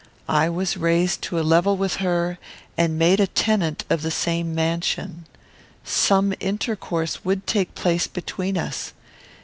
I was raised to a level with her and made a tenant of the same mansion. Some intercourse would take place between us.